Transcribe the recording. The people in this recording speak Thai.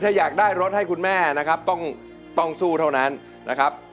ถ้าอยากได้รถให้คุณแม่นะครับต้องสู้เท่านั้นนะครับ